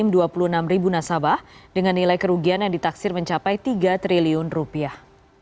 dua puluh enam ribu nasabah dengan nilai kerugian yang ditaksir mencapai tiga triliun rupiah